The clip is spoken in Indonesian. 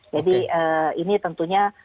jadi ini tentunya